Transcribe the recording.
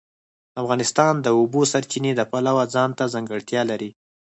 افغانستان د د اوبو سرچینې د پلوه ځانته ځانګړتیا لري.